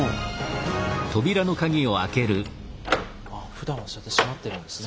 ふだんはそうやって閉まってるんですね。